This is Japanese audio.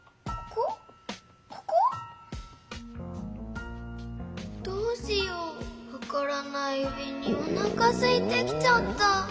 こころのこえどうしようわからない上におなかすいてきちゃった。